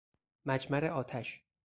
مجمر آتش